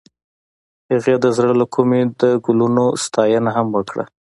هغې د زړه له کومې د ګلونه ستاینه هم وکړه.